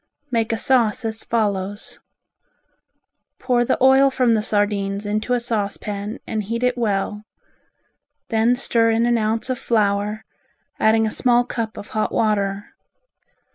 Make a sauce as follows: Pour the oil from the sardines into a saucepan and heat it well. Then stir in an ounce of flour, adding a small cup of hot water.